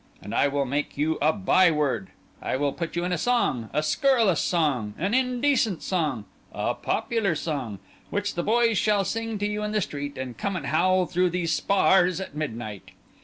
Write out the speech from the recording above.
And I will make you a by word—I will put you in a song—a scurrilous song—an indecent song—a popular song—which the boys shall sing to you in the street, and come and howl through these spars at midnight!"